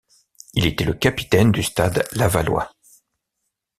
Il était le capitaine du Stade lavallois.